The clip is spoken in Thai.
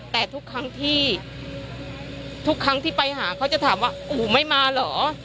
แต่ทุกครั้งที่ทุกครั้งที่ไปหาเขาจะถามว่าโอ้โหไม่มาเหรอ